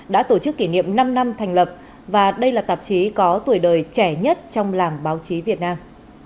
đã tổ chức kỷ niệm năm năm thành lập và đây là tạp chí có tuổi đời trẻ nhất trong làm báo chí việt nam